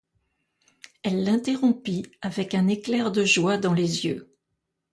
Elle l'interrompit avec un éclair de joie dans les yeux.